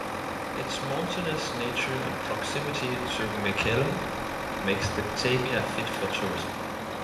Its mountainous nature and proximity to Mekelle makes the "tabia" fit for tourism.